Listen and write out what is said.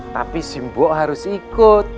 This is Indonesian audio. tapi si mbok harus ikut